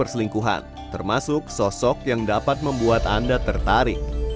seneng tuh nol kayak tsion banget cincin banget juga